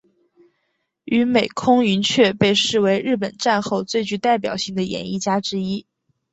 与美空云雀被视为日本战后最具代表性的演艺家之一。